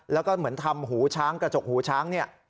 แล้วก็เหมือนทำหูช้างกระจกหูช้างเนี่ย